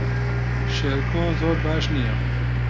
شێرکۆ زۆر باش نییە.